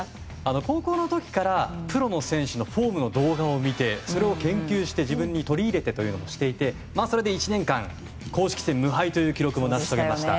高校の時からプロの選手のフォームの動画を見てそれを研究して自分に取り入れてということをしていてそれで１年間公式戦無敗という記録を成し遂げました。